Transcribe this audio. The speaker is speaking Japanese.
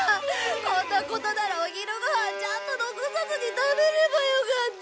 こんなことならお昼ご飯ちゃんと残さずに食べればよかった！